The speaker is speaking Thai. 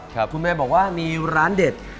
คุณแม่บอกว่ามีร้านเด็ด